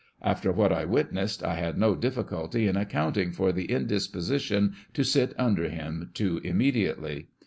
After what I witnessed, I had no difficulty in accounting for the indisposition to sit under him ,.too immediately.